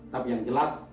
tapi yang jelas